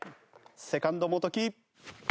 セカンド元木。